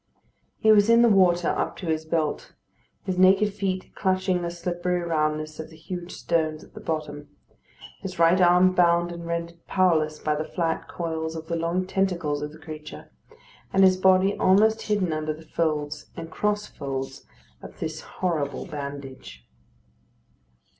He was in the water up to his belt; his naked feet clutching the slippery roundness of the huge stones at the bottom; his right arm bound and rendered powerless by the flat coils of the long tentacles of the creature, and his body almost hidden under the folds and cross folds of this horrible bandage.